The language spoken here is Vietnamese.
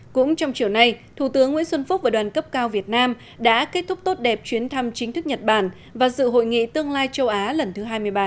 cũng trong chiều nay thủ tướng nguyễn xuân phúc và đoàn cấp cao việt nam đã kết thúc tốt đẹp chuyến thăm chính thức nhật bản và dự hội nghị tương lai châu á lần thứ hai mươi ba